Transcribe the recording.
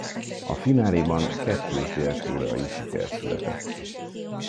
A fináléban kettős dél-koreai siker született.